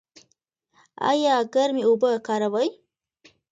ایا ګرمې اوبه کاروئ؟